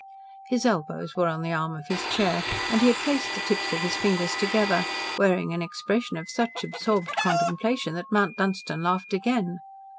His elbows were on the arm of his chair, and he had placed the tips of his fingers together, wearing an expression of such absorbed contemplation that Mount Dunstan laughed again.